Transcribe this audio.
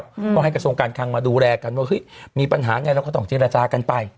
อืมก็ให้กระทรวงการคังมาดูแลกันว่าเฮ้ยมีปัญหาไงเราก็ต้องเจรจากันไป